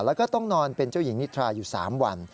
แล้วก็ต้องนอนเป็นเจ้าหญิงนิทราอยู่๓วัน